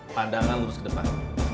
pandangan lurus ke depan